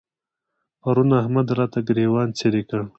پرون احمد راته ګرېوان څيرې کړ.